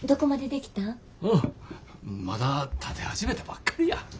まだ建て始めたばっかりや。